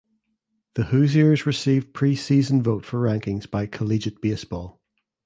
The Hoosiers received preseason vote for rankings by Collegiate Baseball.